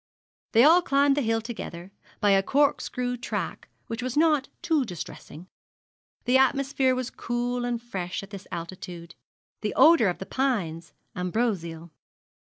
They all climbed the hill together, by a cork screw track which was not too distressing. The atmosphere was cool and fresh at this altitude, the odour of the pines ambrosial.